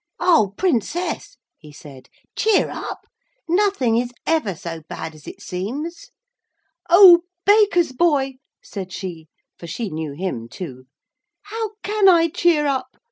'Oh, Princess,' he said, 'cheer up! Nothing is ever so bad as it seems.' 'Oh, Baker's Boy,' said she, for she knew him too, 'how can I cheer up?